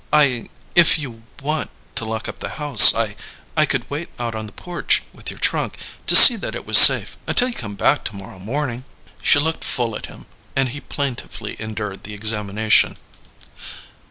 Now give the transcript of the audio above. "I if you want to lock up the house I I could wait out on the porch with your trunk, to see that it was safe, until you come back to morrow morning." She looked full at him, and he plaintively endured the examination.